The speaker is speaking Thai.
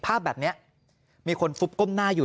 ภาพแบบนี้มีคนฟุบก้มหน้าอยู่